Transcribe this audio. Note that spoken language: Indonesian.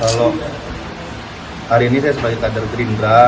kalau hari ini saya sebagai kader gerindra